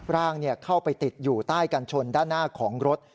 ร่างเข้าไปติดอยู่ใต้กันชนด้านหน้าของรถ